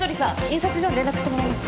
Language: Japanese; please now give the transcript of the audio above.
印刷所に連絡してもらえますか？